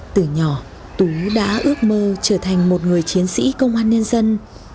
từ nhỏ tú đã ước mơ trở thành một người chiến sĩ công an nhân dân